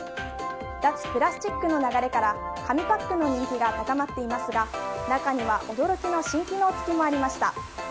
脱プラスチックの流れから紙パックの人気が高まっていますが中には驚きの新機能付きもありました。